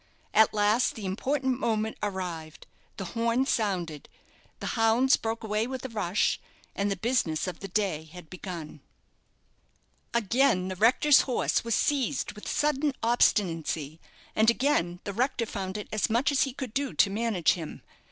At last the important moment arrived, the horn sounded, the hounds broke away with a rush, and the business of the day had begun. Again the rector's horse was seized with sudden obstinacy, and again the rector found it as much as he could do to manage him.